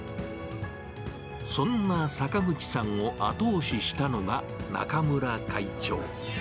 そんな阪口さんを後押ししたのが中村会長。